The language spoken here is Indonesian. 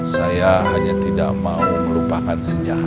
saya hanya tidak mau melupakan sejarah